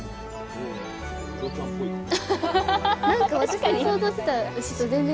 ウドちゃんっぽいかな。